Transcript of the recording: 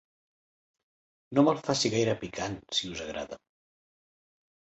No me'l faci gaire picant, si us agrada.